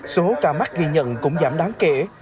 số ca mắc ghi nhận cũng giảm đáng kể